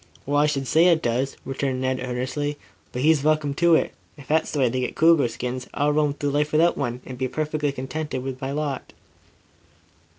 "Well, I should say it does," returned Ned earnestly. "But he's welcome to it. If that's the way they get cougar skins, I'll roam through life without one, and be perfectly contented with my lot."